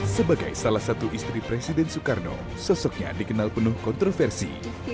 sebagai salah satu istri presiden soekarno sosoknya dikenal penuh kontroversi